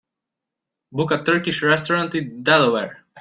book a turkish restaurant in Delaware